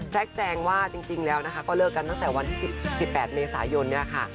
แจงว่าจริงแล้วนะคะก็เลิกกันตั้งแต่วันที่๑๘เมษายนเนี่ยค่ะ